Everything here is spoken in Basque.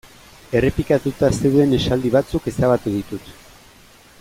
Errepikatuta zeuden esaldi batzuk ezabatu ditut.